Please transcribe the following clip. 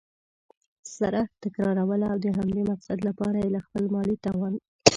سره تكراروله؛ او د همدې مقصد له پاره یي له خپل مالي توان